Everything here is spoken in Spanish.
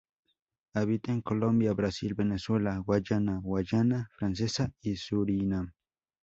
Habita en Colombia, Brasil, Venezuela, Guayana, Guayana Francesa y Surinam.